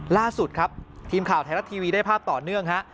ล่าสุดครับทีมข่าวไทยรัฐทีวีได้ภาพต่อเนื่องฮะ